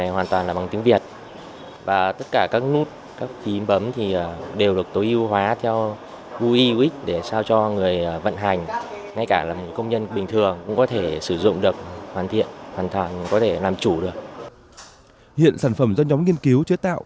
hiện sản phẩm do nhóm nghiên cứu chế tạo đã được thiết kế